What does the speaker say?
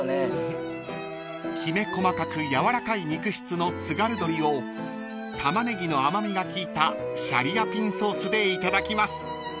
［きめ細かくやわらかい肉質の津軽鶏をタマネギの甘味が効いたシャリアピンソースでいただきます］